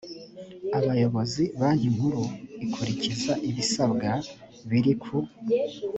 abayobozi banki nkuru ikurikiza ibisabwa biri ku